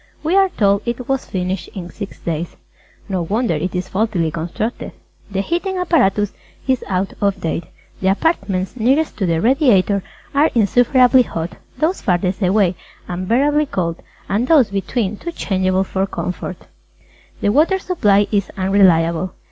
We are told it was finished in six days. No wonder it is faultily constructed. The Heating Apparatus is out of date. The apartments nearest to the Radiator are insufferably hot, those farthest away unbearably cold, and those between too changeable for comfort. The Water Supply is unreliable.